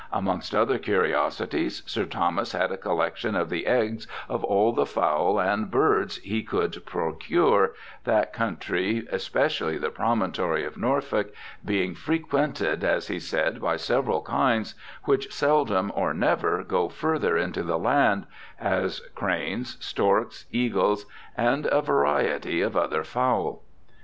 Amongst other curiosities. Sir Thomas had a collection of the eggs of all the foule and birds he could procure, that 256 BIOGRAPHICAL ESSAYS country, especially the promintory of Norfolck, being frequented, as he said, by several kinds which seldom or never go further into the land, as cranes, storkes, eagles, and a variety of other foule.'